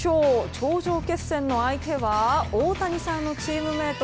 頂上決戦の相手は大谷さんのチームメート